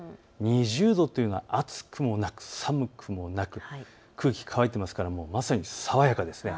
２０度というのは暑くもなく寒くもなく空気が乾いているのでまさに爽やかです。